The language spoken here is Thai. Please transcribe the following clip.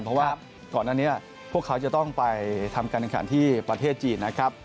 เพราะว่าก่อนอันนี้พวกเขาจะต้องไปทำการแข่งขันที่ประเทศจีนนะครับ